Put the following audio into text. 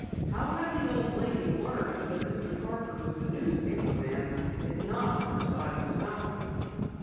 How had the old lady learned that Mr. Parker was a newspaper man if not from Silas Malcom?